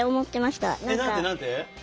何て何て？